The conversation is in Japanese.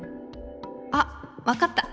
あっ分かった！